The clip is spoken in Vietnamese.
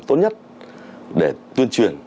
tốt nhất để tuyên truyền